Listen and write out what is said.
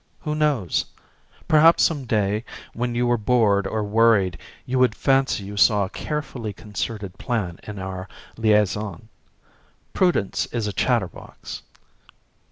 Who knows? Perhaps some day when you were bored or worried you would fancy you saw a carefully concerted plan in our liaison. Prudence is a chatterbox.